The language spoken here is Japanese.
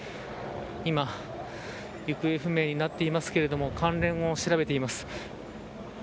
今、行方不明になっていますけれども関連を調べています。